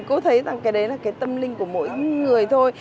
cũng thấy rằng cái đấy là cái tâm linh của mỗi người thôi